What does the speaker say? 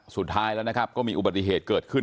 สุดท้ายแล้วนะครับก็มีอุบัติเหตุเกิดขึ้น